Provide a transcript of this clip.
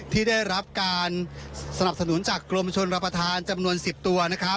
ที่ได้รับการสนับสนุนจากกรมชนรับประทานจำนวน๑๐ตัวนะครับ